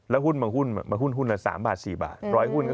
และหุ้นบางหุ้นหุ้น๓บาท๔บาท